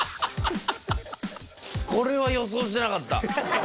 これは予想してなかった。